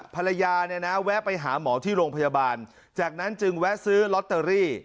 ภรรยาเนี่ยนะแวะไปหาหมอที่โรงพยาบาลจากนั้นจึงแวะซื้อลอตเตอรี่